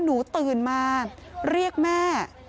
หนูตื่นมาเรียกแม่